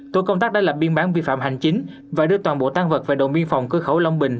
tổ công tác đã lập biên bản vi phạm hành chính và đưa toàn bộ tan vật về đồn biên phòng cơ khẩu long bình